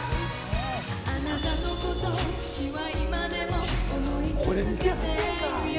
「あなたのこと私は今でも思い続けているよ」